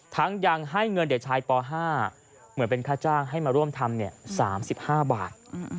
ยังให้เงินเด็กชายป๕เหมือนเป็นค่าจ้างให้มาร่วมทำ๓๕บาท